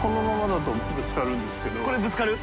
これぶつかる？